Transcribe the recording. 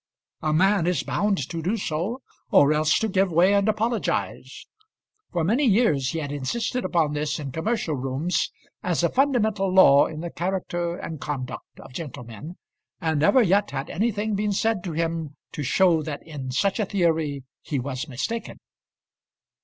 A man is bound to do so, or else to give way and apologise. For many years he had insisted upon this in commercial rooms as a fundamental law in the character and conduct of gentlemen, and never yet had anything been said to him to show that in such a theory he was mistaken.